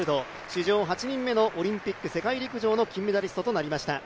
史上８人目のオリンピック・世界陸上の金メダリストとなりました。